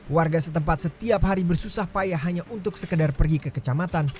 warga setempat setiap hari bersusah payah hanya untuk sekedar pergi ke kecamatan